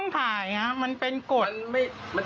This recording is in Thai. เพราะว่าผมจะแจ้งตัวนี้